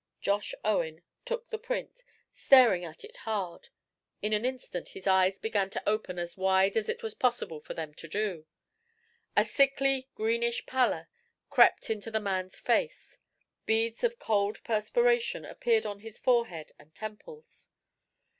Josh Owen took the print, staring at it hard. In an instant his eyes began to open as wide as it was possible for them to do. A sickly, greenish pallor crept into the man's face. Beads of cold perspiration appeared on his forehead and temples.